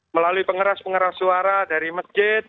melalui pengeras pengeras suara dari masjid